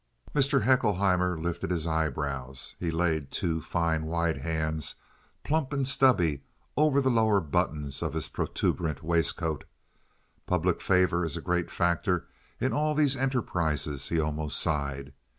Mr. Haeckelheimer lifted his eyebrows. He laid two fine white hands, plump and stubby, over the lower buttons of his protuberant waistcoat. "Public favor is a great factor in all these enterprises," he almost sighed.